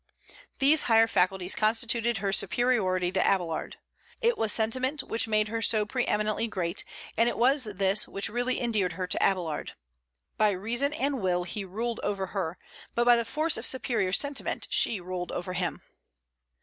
These higher faculties constituted her superiority to Abélard. It was sentiment which made her so pre eminently great, and it was this which really endeared her to Abélard. By reason and will he ruled over her; but by the force of superior sentiment she ruled over him.